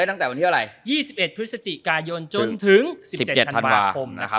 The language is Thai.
จนถึงสิบเจ็ดธันวาคม